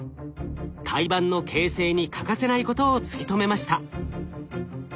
胎盤の形成に欠かせないことを突き止めました。